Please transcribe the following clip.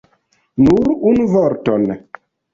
Nur unu vorton!